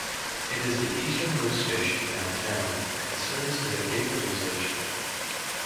It is the easternmost station downtown, and serves as a Gateway station.